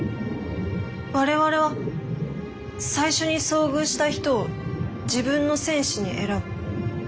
「我々は最初に遭遇した人を自分の戦士に選ぶ」。